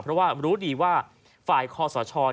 เพราะว่ารู้ดีว่าฝ่ายคอสช